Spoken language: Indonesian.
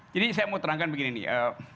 jadi saya mau terangkan begini nih